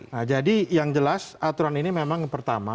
nah jadi yang jelas aturan ini memang pertama